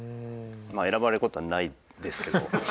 まあ選ばれる事はないですけど。